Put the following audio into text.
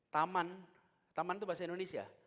taman taman itu bahasa indonesia